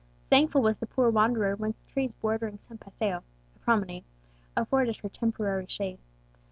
Thankful was the poor wanderer when trees bordering some paseo (promenade) afforded her temporary shade.